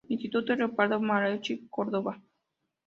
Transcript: Instituto Leopoldo Marechal, Córdoba.